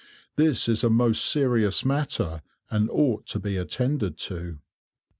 This is a most serious matter, and ought to be attended to.